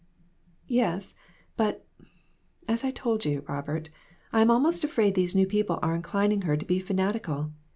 "Yes; but as I told you, Robert, I am almost afraid these new people are inclining her to be fanatical.